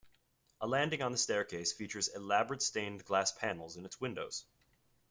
A landing on the staircase features elaborate stained glass panels in its windows.